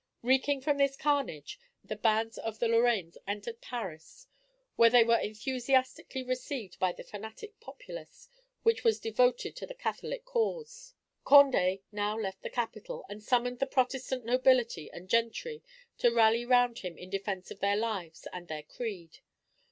Reeking from this carnage, the bands of the Lorraines entered Paris, where they were enthusiastically received by the fanatic populace, which was devoted to the Catholic cause. Condé now left the capital, and summoned the Protestant nobility and gentry to rally round him in defence of their lives and their creed.